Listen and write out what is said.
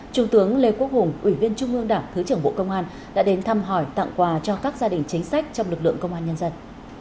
trung tướng lê quốc hùng ủy viên trung ương đảng thứ trưởng bộ công an đã đến thăm hỏi tặng quà cho các gia đình chính sách trong lực lượng công an nhân dân